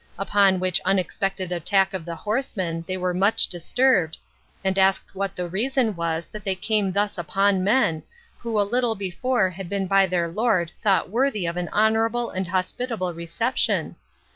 Upon which unexpected attack of the horsemen they were much disturbed, and asked what the reason was that they came thus upon men, who a little before had been by their lord thought worthy of an honorable and hospitable reception?